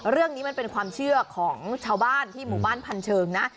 เรื่องนี้มันเป็นความเชื่อของชาวบ้านที่หมู่บ้านพันเชิงนะ